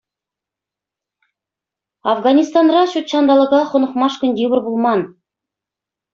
Афганистанра ҫут ҫанталӑка хӑнӑхмашкӑн йывӑр пулман.